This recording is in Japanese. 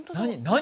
何？